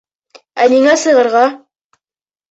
Ә ниңә сығырға?